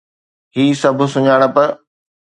هي سڀ سڃاڻپ